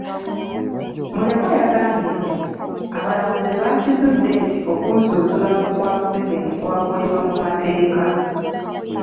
Mulekwa yagambye nti, abalamuzi baakizuula nti okunsunsulamu kwa Museveni kwakolebwa mu mateeka.